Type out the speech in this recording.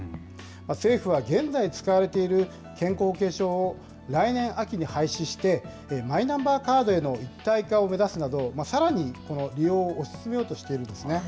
政府は、現在使われている健康保険証を来年秋に廃止して、マイナンバーカードへの一体化を目指すなど、さらにこの利用を推し進めようとしているんですね。